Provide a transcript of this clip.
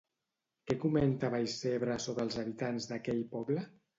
Què comenta Vallcebre sobre els habitants d'aquell poble?